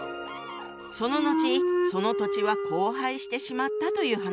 その後その土地は荒廃してしまったという話よ。